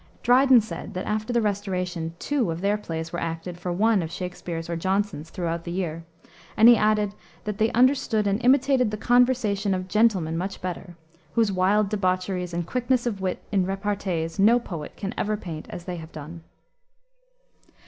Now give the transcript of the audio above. Dryden said that after the Restoration two of their plays were acted for one of Shakspere's or Jonson's throughout the year, and he added, that they "understood and imitated the conversation of gentlemen much better, whose wild debaucheries and quickness of wit in repartees no poet can ever paint as they have done."